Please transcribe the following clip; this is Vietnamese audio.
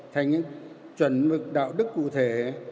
thành chuẩn mực đạo đức cụ thể